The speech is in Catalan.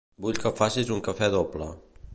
Vull que facis un cafè doble.